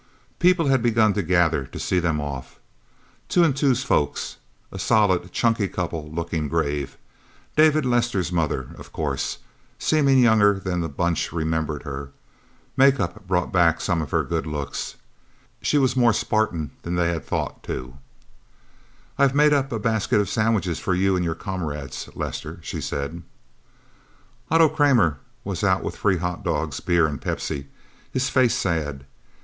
People had begun to gather, to see them off. Two and Two's folks, a solid, chunky couple, looking grave. David Lester's mother, of course, seeming younger than the Bunch remembered her. Make up brought back some of her good looks. She was more Spartan than they had thought, too. "I have made up a basket of sandwiches for you and your comrades, Lester," she said. Otto Kramer was out with free hotdogs, beer and Pepsi, his face sad.